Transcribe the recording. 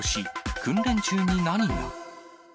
訓練中に何が？